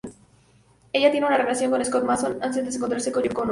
Ella tiene una relación con "Scott Mason" antes de encontrarse con John Connor.